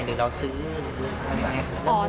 หรือเราซื้อหรือเปลี่ยน